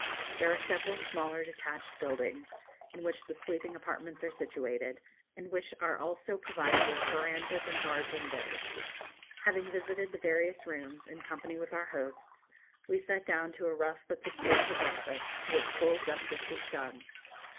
There are several smaller detached buildings, in which the sleeping apartments are situated, and which are also provided with verandahs and barred windows. Having visited the various rooms, in company with our hosts, we sat down to a rough but substantial breakfast, to which full justice was done.